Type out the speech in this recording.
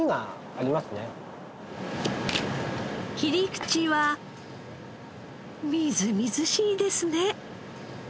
切り口はみずみずしいですね！